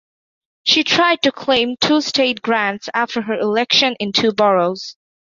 She tried to claim two State grants after her election in two boroughs.